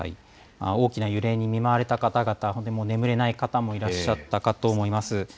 大きな揺れに見舞われた方々、本当に眠れない方もいらっしゃったかと思います。